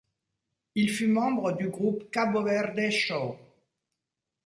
Il fut membre du group Cabo Verde Show.